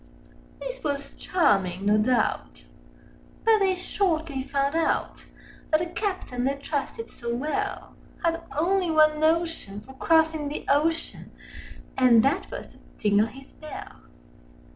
This was charming, no doubt; but they shortly found out Â Â Â Â That the Captain they trusted so well Had only one notion for crossing the ocean, Â Â Â Â And that was to tingle his bell.